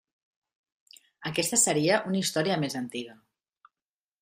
Aquesta seria una història més antiga.